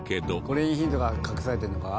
これにヒントが隠されてるのか？